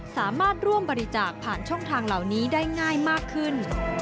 สามารถร่วมบริจาคผ่านช่องทางเหล่านี้ได้ง่ายมากขึ้น